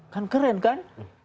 kan keren kan